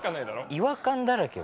違和感だらけよ